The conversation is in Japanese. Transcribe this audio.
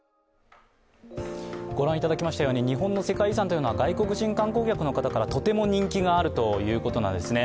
ご覧いただきましたように日本の世界遺産は外国人観光客の方からとても人気があるということなんですね。